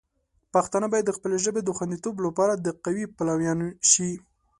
پښتانه باید د خپلې ژبې د خوندیتوب لپاره د قوی پلویان شي.